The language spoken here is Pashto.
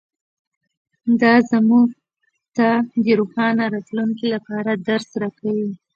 دا موږ ته د روښانه راتلونکي لپاره درس راکوي